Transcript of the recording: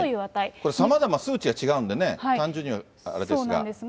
これ、さまざま数値が違うんでね、単純にはあれですが。